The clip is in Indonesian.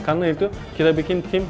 karena itu kita bikin tim